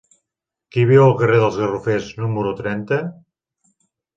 Qui viu al carrer dels Garrofers número trenta?